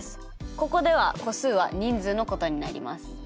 ここでは個数は人数のことになります。